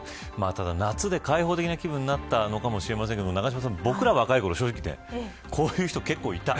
ただ、夏で開放的な気分になったのかもしれませんけど僕らが若いころこういう人、結構いた。